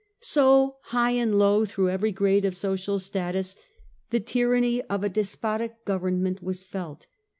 So, high and low, through every grade of social status, the tyranny of a despotic government was felt.